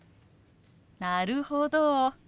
なるほど。